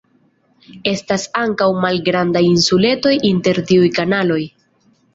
Estas ankaŭ malgrandaj insuletoj inter tiuj kanaloj.